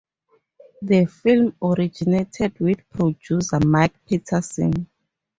The film originated with producer Mike Peterson.